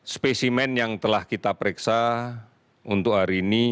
spesimen yang telah kita periksa untuk hari ini